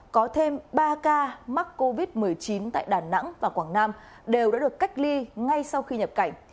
có thêm ba ca mắc covid một mươi chín tại đà nẵng và quảng nam đều đã được cách ly ngay sau khi nhập cảnh